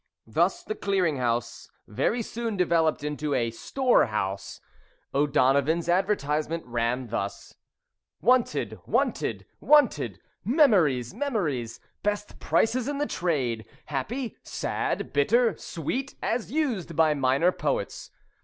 Thus the Clearing House very soon developed into a storehouse. O'Donovan's advertisement ran thus: WANTED! Wanted! Wanted! Memories! Memories! Best Prices in the Trade. Happy, Sad, Bitter, Sweet (as Used by Minor Poets).